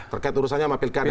terkait urusannya sama pilkada